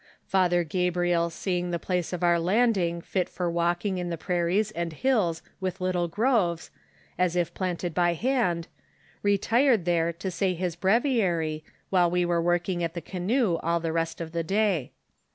Father Gabriel seeing the place of our landing fit for walking in the prairies and hills with little groves, as if planted by hand, retired there to say his breviary while we were working at the canoe all the rest of the day.